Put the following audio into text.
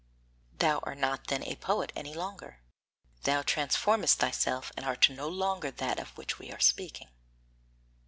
Thou art not then a poet any longer. Thou transformest thyself, and art no longer that of which we are speaking.